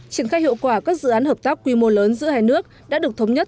triển khai hiệu quả các dự án hợp tác quy mô lớn giữa hai nước đã được thống nhất